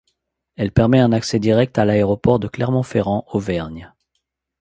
Elle permet un accès direct à l'aéroport de Clermont-Ferrand Auvergne.